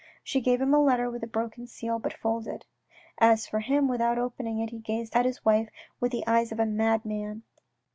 She gave him a letter with a broken seal but folded. As for him, without opening it, he gazed at his wife with the eyes of a madman.